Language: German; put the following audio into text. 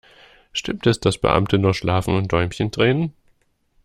Stimmt es, dass Beamte nur schlafen und Däumchen drehen?